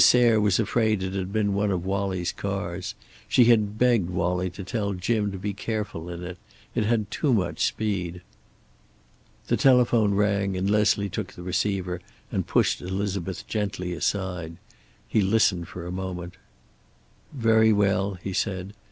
Sayre was afraid it had been one of Wallie's cars. She had begged Wallie to tell Jim to be careful in it. It had too much speed. The telephone rang and Leslie took the receiver and pushed Elizabeth gently aside. He listened for a moment. "Very well," he said.